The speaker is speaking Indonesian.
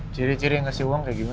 ciri ciri yang ngasih uang kayak gimana